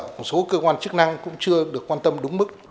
một số cơ quan chức năng cũng chưa được quan tâm đúng mức